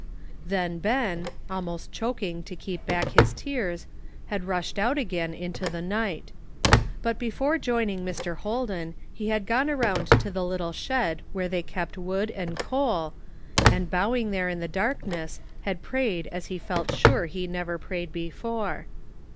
Then Ben, almost choking to keep back his tears, had rushed out again into the night ; but before joining Mr. Holden he had gone around to the little shed where they kept wood and coal, and bowing there in the darkness, had prayed as he felt sure he never prayed before.